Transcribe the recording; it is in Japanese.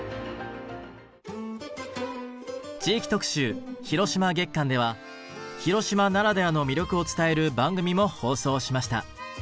地域特集・広島月間では広島ならではの魅力を伝える番組も放送しました。